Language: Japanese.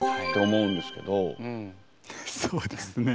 うんそうですね